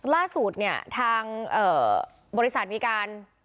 ล่นสุดเนี้ยด้านเอ่อบริษัทมีการ